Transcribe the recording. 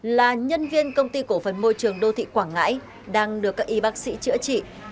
là nhân viên công ty cổ phần môi trường đô thị quảng ngãi đang được các y bác sĩ chữa trị